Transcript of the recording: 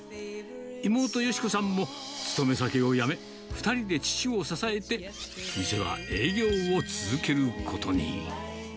妹、良子さんも勤め先を辞め、２人で父を支えて、店は営業を続けることに。